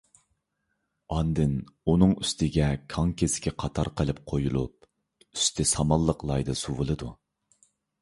ئاندىن ئۇنىڭ ئۈستىگە كاڭ كېسىكى قاتار قىلىپ قويۇلۇپ، ئۈستى سامانلىق لايدا سۇۋىلىدۇ.